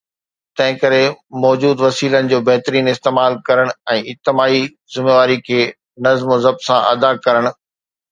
تنهن ڪري، موجود وسيلن جو بهترين استعمال ڪرڻ ۽ اجتماعي ذميواري کي نظم و ضبط سان ادا ڪرڻ